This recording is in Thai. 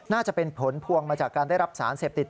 จะเป็นผลพวงมาจากการได้รับสารเสพติด